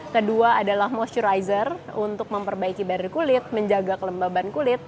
kedua adalah motionizer untuk memperbaiki barder kulit menjaga kelembaban kulit